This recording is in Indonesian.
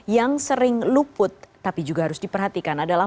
yang sering luput tapi juga harus diperhatikan adalah